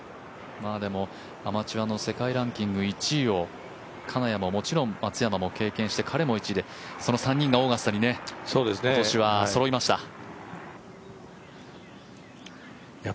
アマチュアの世界ランキング１位を金谷も、もちろん松山も経験して彼も１位でその３人がオーガスタに今年はそろいました。